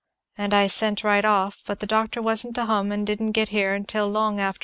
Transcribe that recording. And I sent right off, but the doctor wa'n't to hum, and didn't get here till long after.